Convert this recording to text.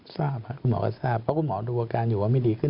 ทราบครับคุณหมอก็ทราบเพราะคุณหมอดูอาการอยู่ว่าไม่ดีขึ้น